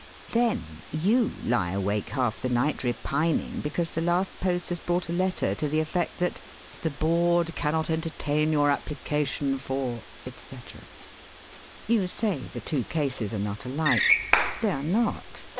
Then you lie awake half the night repining because the last post has brought a letter to the effect that 'the Board cannot entertain your application for,' etc. You say the two cases are not alike. They are not.